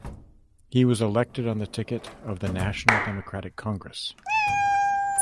He was elected on the ticket of the National Democratic Congress.